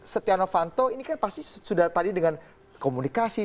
setia novanto ini kan pasti sudah tadi dengan komunikasi